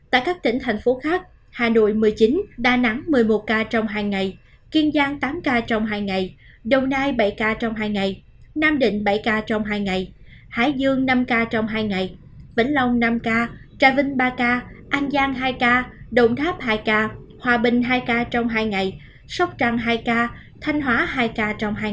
tại các tỉnh thành phố khác hà nội một mươi chín đà nẵng một mươi một ca trong hai ngày kiên giang tám ca trong hai ngày đồng nai bảy ca trong hai ngày nam định bảy ca trong hai ngày hải dương năm ca trong hai ngày vĩnh long năm ca trà vinh ba ca anh giang hai ca đồng tháp hai ca hòa bình hai ca trong hai ngày sóc trăng hai ca thanh hóa hai ca trong hai ngày